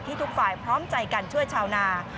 ทุกฝ่ายพร้อมใจกันช่วยชาวนา